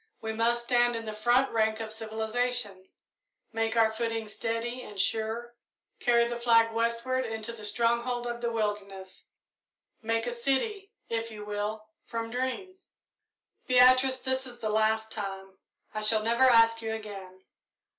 We must stand in the front rank of civilisation, make our footing steady and sure, carry the flag westward into the stronghold of the wilderness make a city, if you will, from dreams. "Beatrice, this is the last time I shall never ask you again.